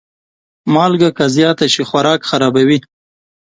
مالګه که زیاته شي، خوراک خرابوي.